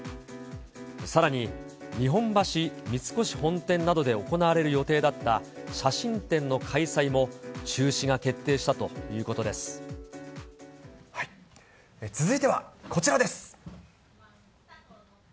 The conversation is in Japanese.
さらに、日本橋三越本店などで行われる予定だった写真展の開催も中止が決続いてはこちらです。